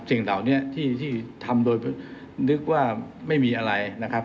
สิ่งเหล่านี้ที่ทำโดยนึกว่าไม่มีอะไรนะครับ